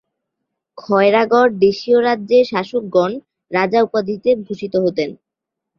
খয়রাগড় দেশীয় রাজ্যের শাসকগণ রাজা উপাধিতে ভূষিত হতেন।